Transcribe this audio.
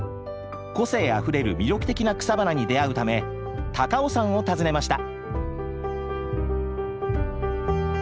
個性あふれる魅力的な草花に出会うため高尾山を訪ねました。